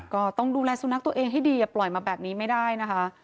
ก็ต้องดูแลสุนัขตัวเองให้ดีอย่าปล่อยมาแบบนี้ไม่ได้นะคะ